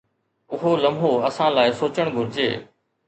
اهو لمحو اسان لاءِ سوچڻ گهرجي.